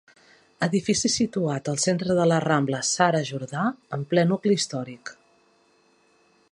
Edifici situat al centre de La Rambla Sara Jordà, en ple nucli històric.